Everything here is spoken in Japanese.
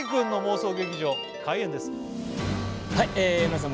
はい皆さん